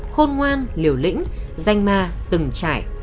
khôn ngoan liều lĩnh danh ma từng trại